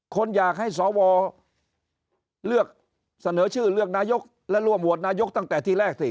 คนอยากให้สวเลือกเสนอชื่อเลือกนายกและร่วมโหวตนายกตั้งแต่ที่แรกสิ